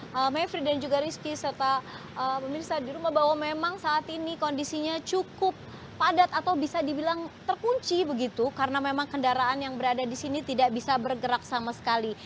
jadi mevri dan juga rizky serta pemirsa di rumah bahwa memang saat ini kondisinya cukup padat atau bisa dibilang terkunci begitu karena memang kendaraan yang berada di sini tidak bisa bergerak sama sekali